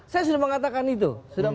saya sudah mengatakan itu